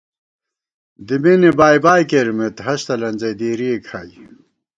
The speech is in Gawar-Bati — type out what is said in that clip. دِمېنےبائی بائی کېرِمېت ہست الَنزَئی دېرِئے کھائی